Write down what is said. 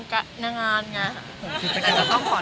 มีปิดฟงปิดไฟแล้วถือเค้กขึ้นมา